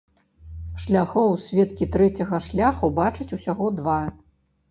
Шляхоў сведкі трэцяга шляху бачаць усяго два.